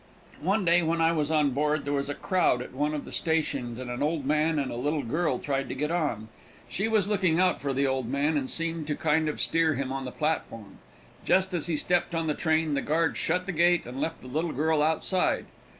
One day, when I was on board, there was a crowd at one of the stations, and an old man and a little girl tried to get on. She was looking out for the old man, and seemed to kind of steer him on the platform. Just as he stepped on the train, the guard shut the gate and left the little girl outside.